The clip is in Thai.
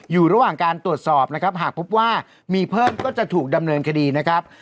อยู่ระหว่างการตรวจสอบนะครับหากพบว่ามีเพิ่มก็จะถูกดำเนินคดีนะครับ